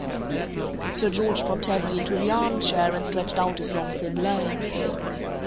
Sir George dropped heavily into the arm chair, and stretched out his long thin legs.